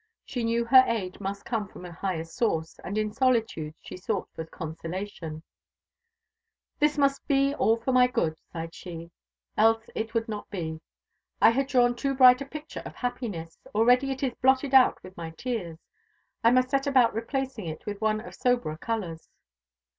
She knew her aid must come from a higher source; and in solitude she sought for consolation. "This must be all for my good," sighed she, "else it would not be. I had drawn too bright a picture of happiness; already it is blotted out with my tears. I must set about replacing it with one of soberer colours."